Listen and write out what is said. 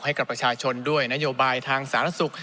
ให้กับประชาชนด้วยนโยบายทางสารสุข